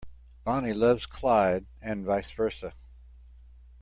Bonnie loves Clyde and vice versa.